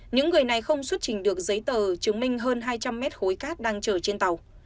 những người này không xuất trình được giấy tờ chứng minh hơn hai trăm linh mét khối cát đang chở trên tàu